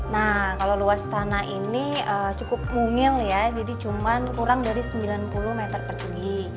nah kalau luas tanah ini cukup mungil ya jadi cuma kurang dari sembilan puluh meter persegi